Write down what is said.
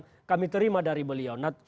yang kami terima dari beliau